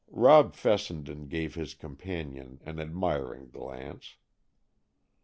Rob Fessenden gave his companion an admiring glance.